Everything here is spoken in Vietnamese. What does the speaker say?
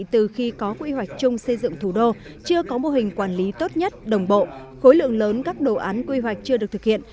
từ khi có quy hoạch chung xây dựng thủ đô chưa có mô hình quản lý tốt nhất đồng bộ khối lượng lớn các đồ án quy hoạch chưa được thực hiện